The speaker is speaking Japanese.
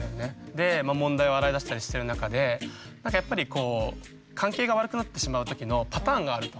で問題を洗い出したりしてる中でなんかやっぱりこう関係が悪くなってしまう時のパターンがあると。